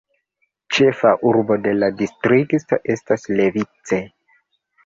Ĉefa urbo de la distrikto estas Levice.